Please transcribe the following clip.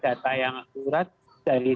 data yang akurat dari